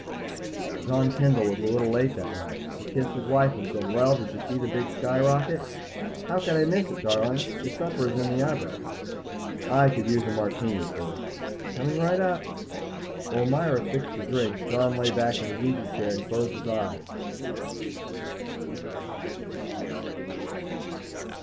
John Kendall was a little late that night. He kissed his wife and said, "Well, did you see the big sky rocket?" "How could I miss it, darling? Your supper is in the oven." "I could use a Martini first." "Coming right up." While Myra fixed the drink John lay back in his easy chair and closed his eyes.